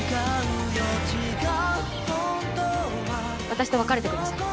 私と別れてください。